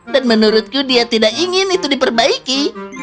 dan menurutku dia tidak ingin itu diperbaiki